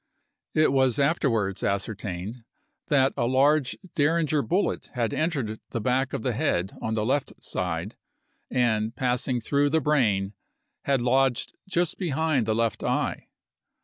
It was afterwards ascertained that a large derringer bullet had entered the back of the head on the left side, and, passing through the brain, had lodged just behind the left eye.